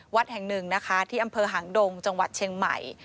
วัดแห่งหนึ่งนะคะที่อำเภอหางดงจังหวัดเชียงใหม่